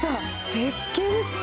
絶景です。